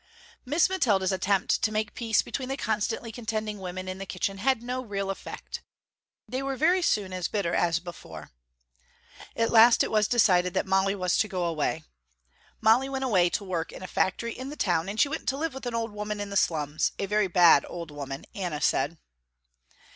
Miss Mathilda's attempt to make peace between the constantly contending women in the kitchen had no real effect. They were very soon as bitter as before. At last it was decided that Molly was to go away. Molly went away to work in a factory in the town, and she went to live with an old woman in the slums, a very bad old woman Anna said.